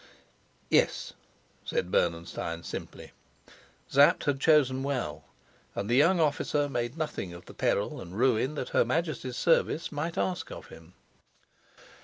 "Yes," said Bernenstein simply. Sapt had chosen well, and the young officer made nothing of the peril and ruin that her Majesty's service might ask of him.